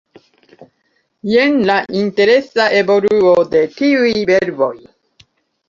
Jen la interesa evoluo de tiuj verboj: